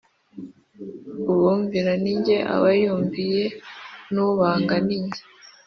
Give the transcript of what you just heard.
Ubumvira ni jye aba yumviye n ubanga ni jye